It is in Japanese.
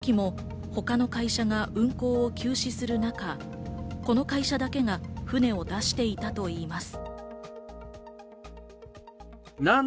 女性によると、この時も他の会社が運航を休止する中、この会社だけが船を出していたといいます。